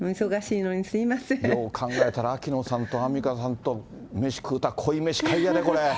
よう考えたら、秋野さんとアンミカさんと、飯食うたら、濃い飯会やで、これ。